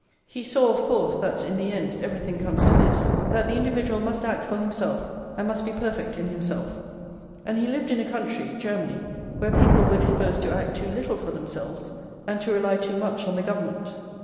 He saw, of course, that, in the end, everything comes to this, that the individual must act for himself, and must be perfect in himself; and he lived in a country, Germany, where people were disposed to act too little for themselves, and to rely too much on the Government.